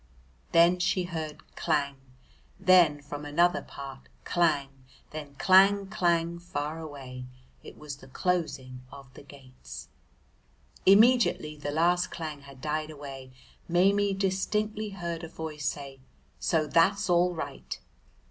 Then she heard clang, then from another part clang, then clang, clang far away. It was the Closing of the Gates. Immediately the last clang had died away Maimie distinctly heard a voice say, "So that's all right."